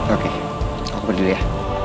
oke aku berdiri ya